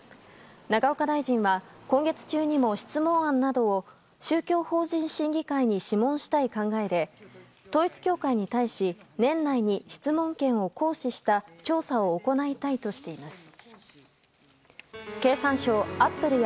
永岡大臣は、今月中にも質問案などを宗教法人審議会に諮問したい考えで統一教会に対し年内に質問権を行使した調査を行いたいとしています。